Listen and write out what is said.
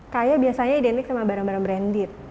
kaya biasanya identik sama barang barang branded